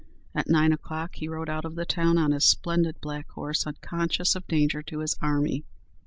At nine o'clock he rode out of the town on his splendid black horse, unconscious of danger to his army.